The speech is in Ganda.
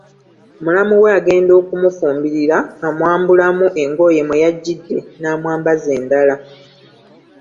Mulamu we agenda okumufumbirira amwambulamu engoye mwe yajjidde n’amwambaza endala.